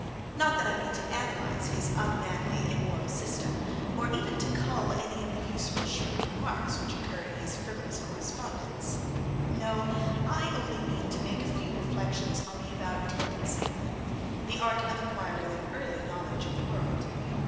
Not that I mean to analyze his unmanly, immoral system, or even to cull any of the useful shrewd remarks which occur in his frivolous correspondence No, I only mean to make a few reflections on the avowed tendency of them the art of acquiring an early knowledge of the world.